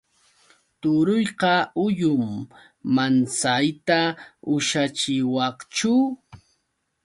Turuyqa huyum. ¿Mansayta ushachiwaqchu?